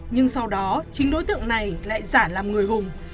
nhưng sau đó chính đối tượng này lại giả làm người hùng